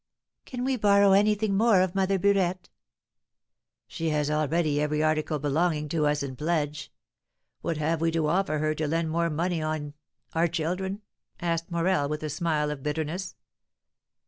"Can we borrow anything more of Mother Burette?" "She has already every article belonging to us in pledge. What have we to offer her to lend more money on, our children?" asked Morel, with a smile of bitterness.